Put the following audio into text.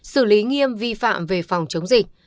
xử lý nghiêm vi phạm về phòng chống dịch